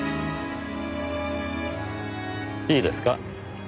いいですか。